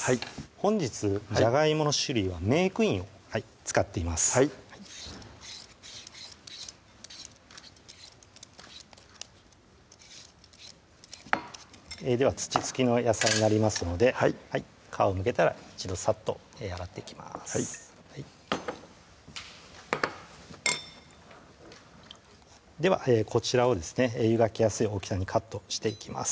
本日じゃがいもの種類はメークインを使っていますでは土付きの野菜になりますので皮をむけたら一度さっと洗っていきますではこちらをですね湯がきやすい大きさにカットしていきます